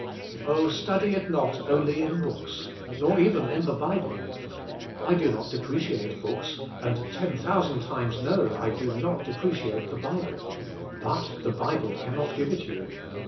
Oh ! study it not only in books, nor even in the Bible. I do not depreciate books, and ten thousand times, no, I do not depreciate the Bible, but the Bible cannot give it you.